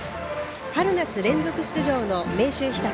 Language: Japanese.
春夏連続出場の明秀日立。